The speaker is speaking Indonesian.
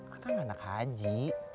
akang anak haji